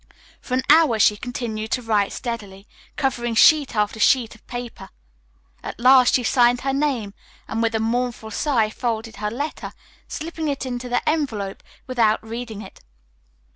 For an hour she continued to write steadily, covering sheet after sheet of paper. At last she signed her name, and with a mournful sigh folded her letter, slipping it into the envelope without reading it.